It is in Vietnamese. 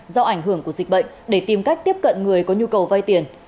do ảnh hưởng của dịch bệnh để tìm cách tiếp cận người có nhu cầu vay tiền